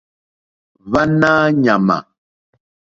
Hwánáá ɲàmà.